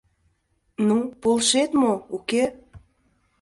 Ну, полшет мо, уке?